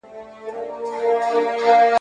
چي یو قند د یار د خولې په هار خرڅیږي `